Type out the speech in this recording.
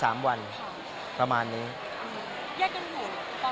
สามวันประมาณนี้อืมแยกกันตอนไหนอ่ะแยกแยกกัน